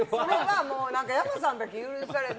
山さんだけ許される。